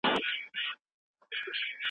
دی په ډېرې مجبورۍ د موټر ښیښې ته ګوري.